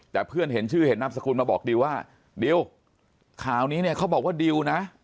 แต่เพื่อนเห็นชื่อเห็นนามสกุลมาบอกดิวว่าดิวข่าวนี้เนี่ยเขาบอกว่าดิวนะ